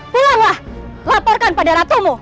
pulanglah laporkan pada ratumu